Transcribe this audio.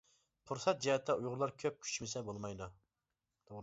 پۇرسەت جەھەتتە ئۇيغۇرلار كۆپ كۈچىمىسە بولمايدۇ.